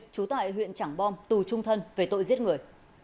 trú tại huyện trảng bom tù trung thân về tội giết người